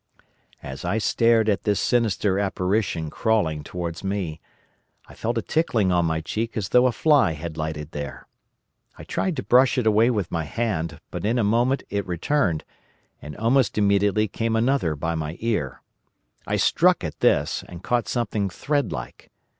"As I stared at this sinister apparition crawling towards me, I felt a tickling on my cheek as though a fly had lighted there. I tried to brush it away with my hand, but in a moment it returned, and almost immediately came another by my ear. I struck at this, and caught something threadlike.